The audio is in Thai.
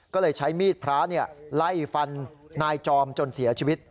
ก็เลยใช้มีดพระไล่ฟันนายจอมจนเสียชีวิต